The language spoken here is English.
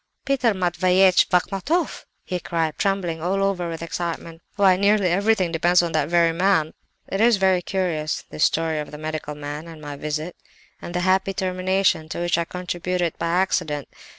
"'Peter Matveyevitch Bachmatoff!' he cried, trembling all over with excitement. 'Why, nearly everything depends on that very man!' "It is very curious, this story of the medical man, and my visit, and the happy termination to which I contributed by accident!